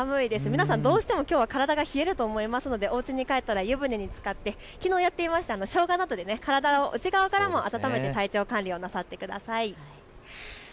皆さん、どうしても体が冷えると思いますのでおうちに帰ったら湯船につかってしょうがなどで体を内側からも温めて体調管理なさってください。